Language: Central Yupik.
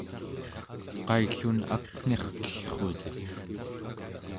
qaillun akngirtellrusit?